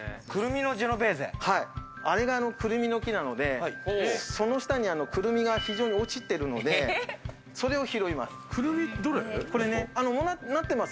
あれがくるみの木なので、その下にくるみが非常に落ちているので、それを拾います。